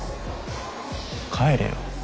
帰れよ。